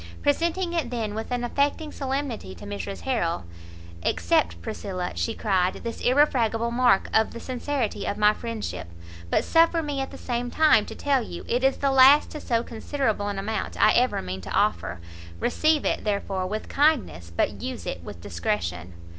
Presenting it then with an affecting solemnity to Mrs Harrel, "accept, Priscilla," she cried, "this irrefragable mark of the sincerity of my friendship; but suffer me at the same time to tell you, it is the last to so considerable an amount I ever mean to offer; receive it, therefore, with kindness, but use it with discretion."